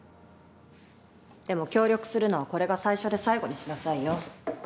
でも協力するのはこれが最初で最後にしなさいよ。